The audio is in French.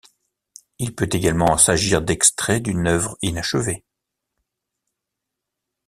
Il peut également s'agir d'extraits d'une œuvre inachevée.